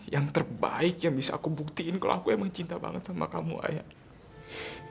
yang terbaik yang bisa aku buktiin kalau aku emang cinta banget sama kamu ayah